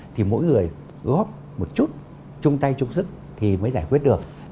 thì mỗi người góp một chút chung tay chung sức thì mới giải quyết được